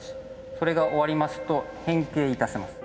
それが終わりますと変形いたします。